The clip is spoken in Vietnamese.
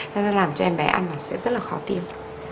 cho nên làm cho em bé ăn sẽ rất là khó tiêu